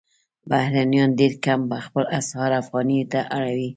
بهرنیان ډېر کم خپل اسعار افغانیو ته اړوي.